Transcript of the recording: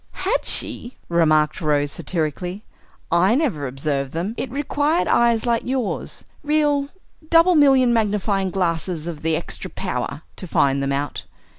"Had she!" remarked Rose, satirically. "I never observed them. It required eyes like yours, real 'double million magnifying glasses of h'extra power,' to find them out.